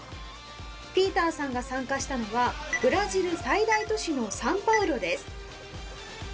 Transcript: ＰＩＥＴＥＲさんが参加したのはブラジル最大都市のサンパウロです。